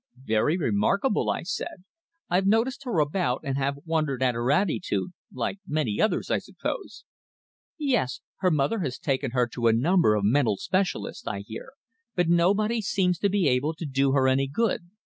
"Very remarkable," I said. "I've noticed her about, and have wondered at her attitude like many others, I suppose." "Yes. Her mother has taken her to a number of mental specialists, I hear, but nobody seems to be able to do her any good.